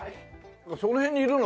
その辺にいるの？